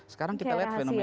sekarang kita lihat fenomena